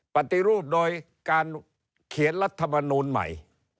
ปฏิรูปโดยการเขียนรัฐมนูลใหม่